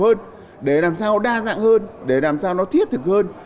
hơn để làm sao đa dạng hơn để làm sao nó thiết thực hơn